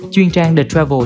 chuyên trang the travel